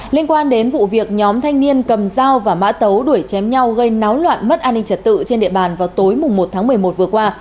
liên quan đến vụ việc nhóm thanh niên cầm dao và mã tấu đuổi chém nhau gây náo loạn mất an ninh trật tự trên địa bàn vào tối một tháng một mươi một vừa qua